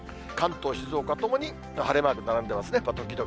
関東、静岡ともに晴れマーク並んでますね。